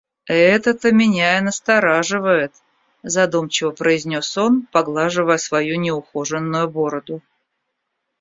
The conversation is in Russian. «Это-то меня и настораживает», — задумчиво произнес он, поглаживая свою неухоженную бороду.